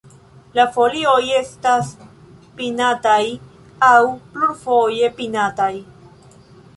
La folioj estas pinataj aŭ plurfoje pinataj.